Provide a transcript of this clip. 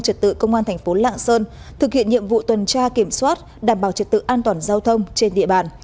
trật tự công an thành phố lạng sơn thực hiện nhiệm vụ tuần tra kiểm soát đảm bảo trật tự an toàn giao thông trên địa bàn